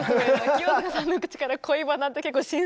清塚さんの口から「恋バナ」って結構新鮮。